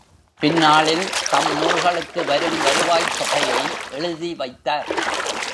பின்னாளில் தம் நூல்களுக்கு வரும் வருவாய்த் தொகையை எழுதி வைத்தார்.